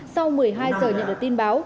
sau một mươi hai h nhận được tin báo